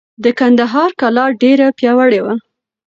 د کندهار کلا ډېره پیاوړې وه.